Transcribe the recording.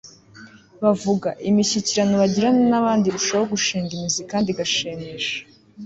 bavuga, imishyikirano bagirana n'abandi irushaho gushinga imizi kandi igashimisha